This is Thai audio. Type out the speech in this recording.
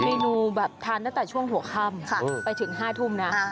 เมนูแบบทานตั้งแต่ช่วงหัวค่ำไปถึง๕ทุ่มนะ